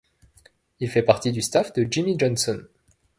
Il fait partie du staff de Jimmy Johnson.